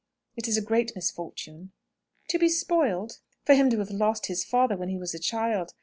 "It is a great misfortune " "To be spoiled?" "For him to have lost his father when he was a child.